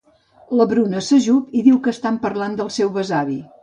La Bruna s'ajup i diu que estan parlant del seu besavi.